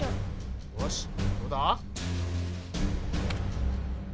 よしどうだ？